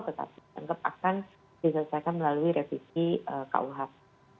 tetapi anggap akan diselesaikan melalui revisi kuhp